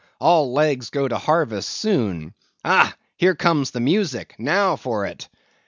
All legs go to harvest soon. Ah! here comes the music; now for it!